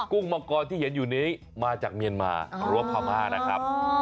กุ้งมังกรที่เห็นอยู่นี้มาจากเมียนมารัวพามานะครับ